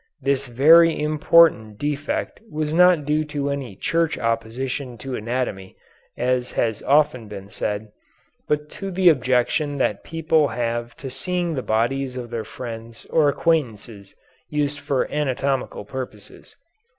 This very important defect was not due to any Church opposition to anatomy, as has often been said, but to the objection that people have to seeing the bodies of their friends or acquaintances used for anatomical purposes.